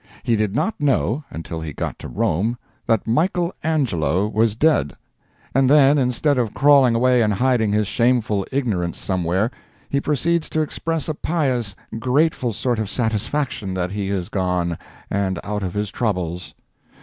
He did not know, until he got to Rome, that Michael Angelo was dead! And then, instead of crawling away and hiding his shameful ignorance somewhere, he proceeds to express a pious, grateful sort of satisfaction that he is gone and out of his troubles!